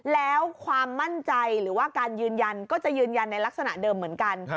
แล้วความมั่นใจหรือว่าการยืนยันก็จะยืนยันในลักษณะเดิมเหมือนกัน